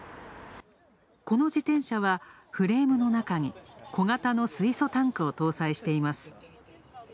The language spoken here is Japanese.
この自転車は、フレームの中に小型の水素タンクを搭載しています。